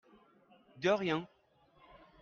De rien.